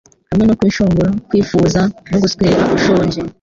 Hamwe no kwishongora kwifuza no guswera ushonje